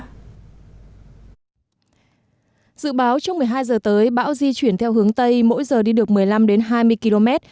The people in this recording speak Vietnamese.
dự báo trong một mươi hai h tới bão di chuyển theo hướng tây mỗi giờ đi được một mươi năm hai mươi km